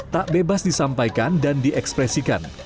tak bebas disampaikan dan diekspresikan